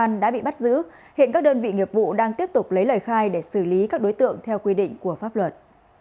công an đã bị bắt giữ hiện các đơn vị nghiệp vụ đang tiếp tục lấy lời khai để xử lý các đối tượng theo quy định của pháp luật